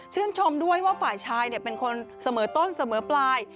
ชมด้วยว่าฝ่ายชายเป็นคนเสมอต้นเสมอปลาย